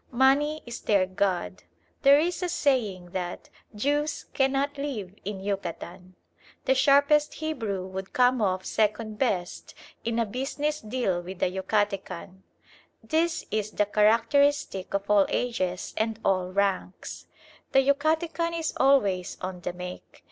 Money is their god. There is a saying that "Jews cannot live in Yucatan." The sharpest Hebrew would come off second best in a business deal with a Yucatecan. This is the characteristic of all ages and all ranks. The Yucatecan is always "on the make."